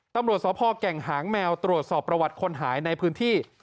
ตำรวจสพแก่งหางแมวตรวจสอบประวัติคนหายในพื้นที่